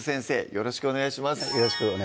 よろしくお願いします